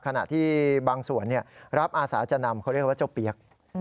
ขณะที่บางส่วนรับอาสาจะนำเขาเรียกว่าเจ้าเปี๊ยก